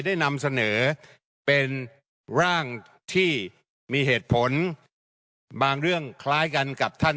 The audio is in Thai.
ได้นำเสนอเป็นร่างที่มีเหตุผลบางเรื่องคล้ายกันกับท่าน